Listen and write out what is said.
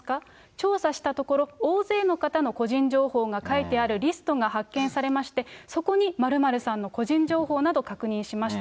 調査したところ、大勢の方の個人情報が書いてあるリストが発見されまして、そこに○○さんの個人情報など確認しました。